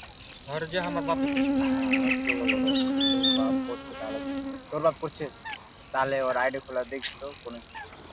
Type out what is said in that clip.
Indian Mujahideen এই হামলা সংগঠিত করে।